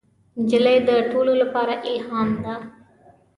نجلۍ د ټولو لپاره الهام ده.